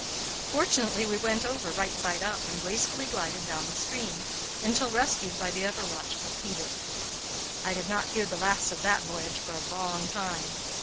Fortunately, we went over right side up and gracefully glided down the stream, until rescued by the ever watchful Peter. I did not hear the last of that voyage for a long time.